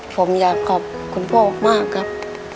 ผมอยากขอบคุณพ่อมากครับ